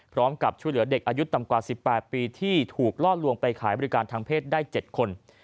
ช่วยเหลือเด็กอายุต่ำกว่า๑๘ปีที่ถูกล่อลวงไปขายบริการทางเพศได้๗คน